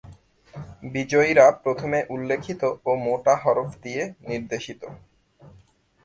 বিজয়ীরা প্রথমে উল্লেখিত ও মোটা হরফ দিয়ে নির্দেশিত।